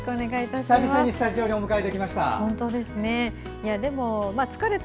久々にスタジオにお迎えできました。